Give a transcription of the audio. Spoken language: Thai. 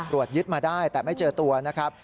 ยึดมาได้แต่ไม่เจอตัวนะครับ